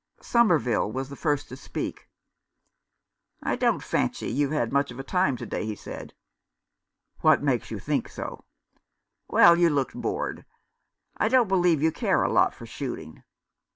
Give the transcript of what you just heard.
Somerville was the first to speak. "I don't fancy you've had much of a time to day," he said. " What makes you think so ?" "Well, you looked bored. I don't believe you care a lot for shooting."